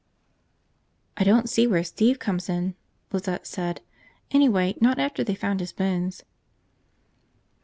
"I don't see where Steve comes in," Lizette said. "Anyway, not after they found his bones."